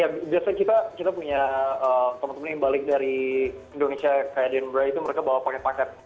ya biasanya kita punya teman teman yang balik dari indonesia kayak denbry itu mereka bawa paket paket